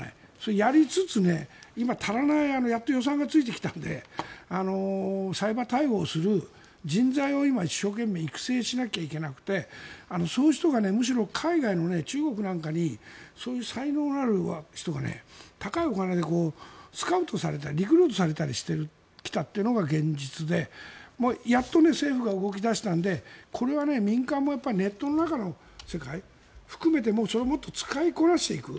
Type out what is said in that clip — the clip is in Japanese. やりつつ、今、足りないやっと予算がついてきたんでサイバー対応をする人材を今、一生懸命育成しなきゃいけなくてそういう人がむしろ海外の中国なんかにそういう才能がある人が高いお金でスカウトされたりリクルートされたりしてきたというのが現実でやっと政府が動き出したのでこれは民間もネットの中の世界を含めてもっと使いこなしていく。